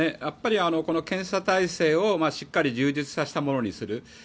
やっぱり、この検査体制をしっかり充実させたものにする。